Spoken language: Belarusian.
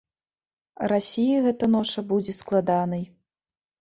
Расіі гэта ноша будзе складанай.